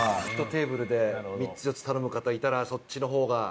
１テーブルで３つ４つ頼む方がいたらそっちの方が。